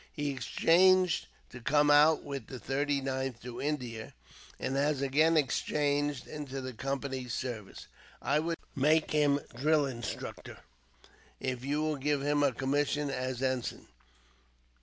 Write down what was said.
He exchanged to come out with the 39th to India, and has again exchanged into the Company's service. I would make him drill instructor, if you will give him a commission as ensign.